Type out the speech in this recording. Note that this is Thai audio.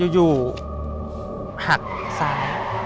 อยู่หักซ้าย